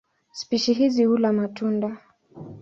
Spishi hizi hula matunda.